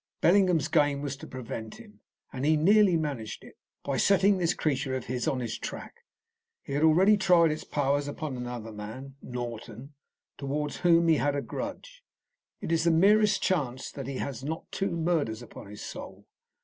Bellingham's game was to prevent him, and he nearly managed it, by setting this creature of his on his track. He had already tried its powers upon another man Norton towards whom he had a grudge. It is the merest chance that he has not two murders upon his soul.